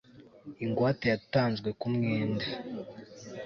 ingwate yatanzwe ku mwenda